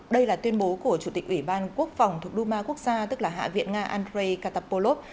đây là tuyên bố của chủ tịch ủy ban quốc phòng thuộc duma quốc gia tức là hạ viện nga andrei katapolov